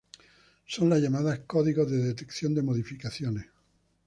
Son los llamadas códigos de detección de modificaciones.